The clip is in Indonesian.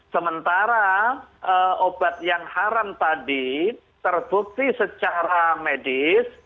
sementara obat yang haram tadi terbukti secara medis